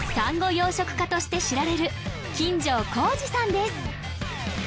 養殖家として知られる金城浩二さんです